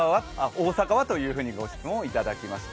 大阪は？ということでご質問をいただきました。